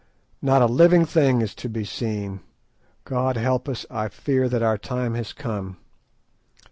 Not a living thing is to be seen. God help us; I fear that our time has come."